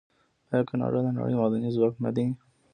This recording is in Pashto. آیا کاناډا د نړۍ معدني ځواک نه دی؟